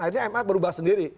akhirnya ma berubah sendiri